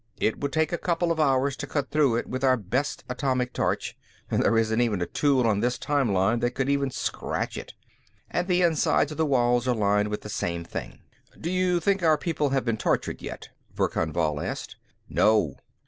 It would take a couple of hours to cut through it with our best atomic torch; there isn't a tool on this time line that could even scratch it. And the insides of the walls are lined with the same thing." "Do you think our people have been tortured, yet?" Verkan Vall asked. "No."